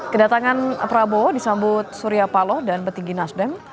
kedatangan prabowo disambut surya paloh dan petinggi nasdem